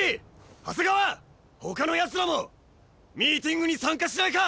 李長谷川ほかのやつらもミーティングに参加しないか！？